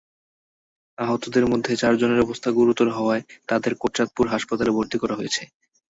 আহতদের মধ্যে চারজনের অবস্থা গুরুতর হওয়ায় তাঁদের কোটচাঁদপুর হাসপাতালে ভর্তি করা হয়েছে।